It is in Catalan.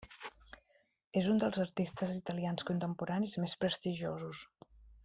És un dels artistes italians contemporanis més prestigiosos.